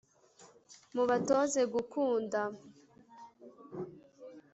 mubatoze gukunda